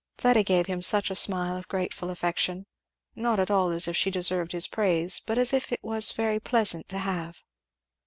Fleda gave him such a smile of grateful affection! not at all as if she deserved his praise but as if it was very pleasant to have.